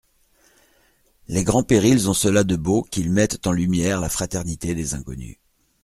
Les grands périls ont cela de beau qu'ils mettent en lumière la fraternité des inconnus.